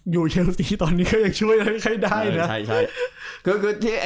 อยู่เยอะสีตอนนี้เคยอยากช่วยอะไรให้ได้นะ